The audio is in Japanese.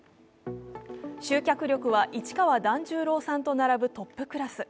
集客力は市川團十郎さんと並ぶトップクラス。